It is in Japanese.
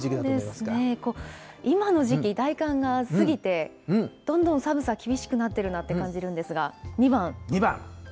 そうですね、今の時期、大寒が過ぎて、どんどん寒さ、厳しくなってるなと感じるんですが、２番。